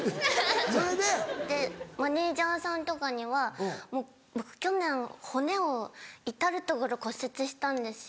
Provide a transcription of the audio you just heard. それで？でマネジャーさんとかには。僕去年骨を至る所骨折したんですよ。